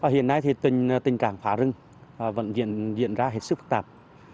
hiện nay tình cảm phá rừng vẫn diễn ra hết sức phức tạp